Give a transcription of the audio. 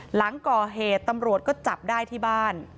หลังก่อเหตุตำรวจก็จับได้ที่บ้าน